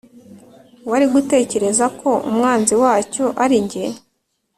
wari gutekereza ko umwanzi wacyo ari njye,